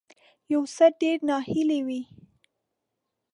یو څه ډیر ناهیلی وي